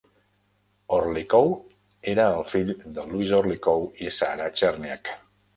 Orlikow era el fill de Louis Orlikow i Sarah Cherniack.